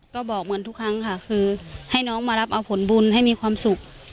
ก็บอกเหมือนทุกครั้งค่ะคือให้น้องมารับเอาผลบุญให้มีความสุข